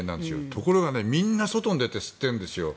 ところがみんな外に出て吸ってるんですよ。